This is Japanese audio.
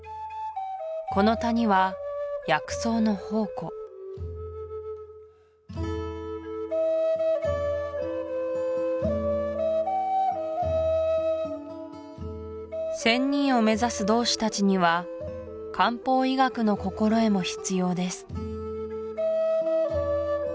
この谷は薬草の宝庫仙人を目指す道士たちには漢方医学の心得も必要です